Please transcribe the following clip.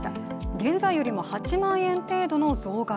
現在よりも８万円程度の増額。